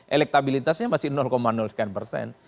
elektabilitasnya masih sekian persen